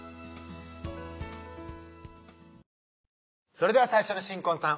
それでは最初の新婚さん